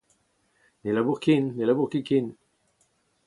Ne labour ken. Ne labour ket ken.